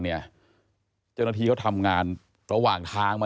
เจ้าหน้าที่เขาทำงานระหว่างทางมา